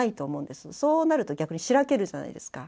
そうなると逆にしらけるじゃないですか。